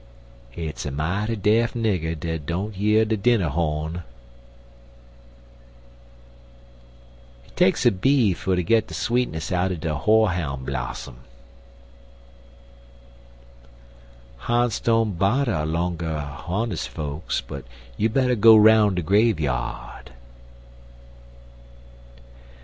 Hit's a mighty deaf nigger dat don't year de dinner ho'n. Hit takes a bee fer ter git de sweetness out'n de hoar houn' blossom. Ha'nts don't bodder longer hones' folks, but you better go 'roun' de grave yard.